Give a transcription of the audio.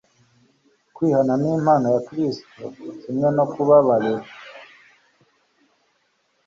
Kwihana ni impano ya Kristo kimwe no kubabarirwa.